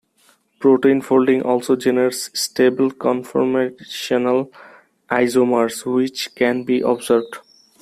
Protein folding also generates stable conformational isomers which can be observed.